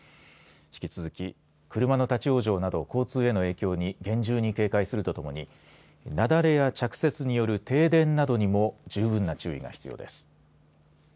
引き続き、車の立往生など交通への影響に厳重に警戒するとともに雪崩や着雪などによる停電などにも十分な注意が必要です。